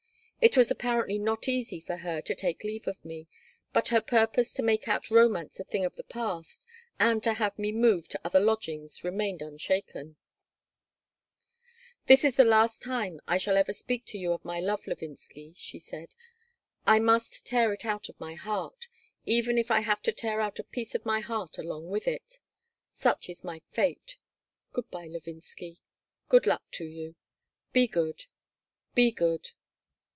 It was apparently not easy for her to take leave of me, but her purpose to make our romance a thing of the past and to have me move to other lodgings remained unshaken "This is the last time I shall ever speak to you of my love, Levinsky," she said. "I must tear it out of my heart, even if I have to tear out a piece of my heart along with it. Such is my fate. Good by, Levinsky. Good luck to you. Be good. Be good.